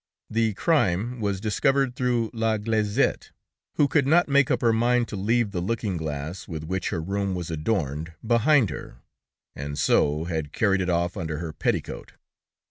The crime was discovered through la Glaizette, who could not make up her mind to leave the looking glass, with which her room was adorned, behind her, and so had carried it off under her petticoat.